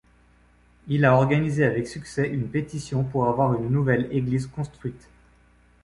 Il a organisé avec succès une pétition pour avoir une nouvelle église construite.